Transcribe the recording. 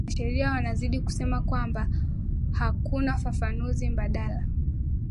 wanasheria wanazidi kusema kwamba hakuna fafanuzi mbadala